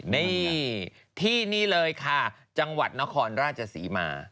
นี่ที่นี่เลยค่ะจังหวัดนครราชศรีมา